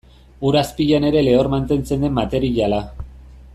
Ur azpian ere lehor mantentzen den materiala.